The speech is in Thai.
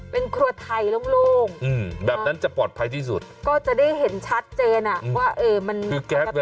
เป็นครัวไทยโล่งโล่งแบบนั้นจะปลอดภัยที่สุดก็จะได้เห็นชัดเจนอ่ะว่าเออมันคือแก๊ส